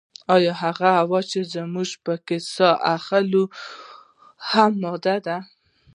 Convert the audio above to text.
ایا هغه هوا چې موږ پکې ساه اخلو هم ماده ده